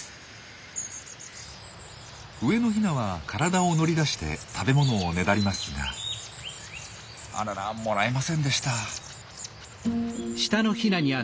上のヒナは体を乗り出して食べ物をねだりますがあららもらえませんでした。